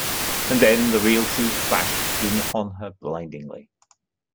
And then the real truth flashed in upon her blindingly.